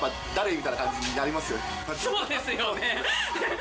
みたそうですよね。